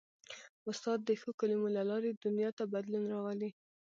استاد د ښو کلمو له لارې دنیا ته بدلون راولي.